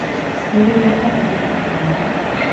Neure bihotza zuekin izango da.